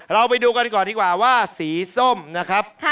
เราไปดูกันก่อนดีกว่าว่าสีส้มนะครับ